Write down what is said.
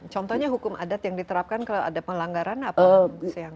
contohnya hukum adat yang diterapkan kalau ada pelanggaran apa